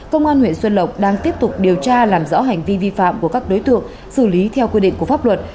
công an huyện xuân lộc đang tiếp tục điều tra làm rõ hành vi vi phạm của các đối tượng xử lý theo quy định của pháp luật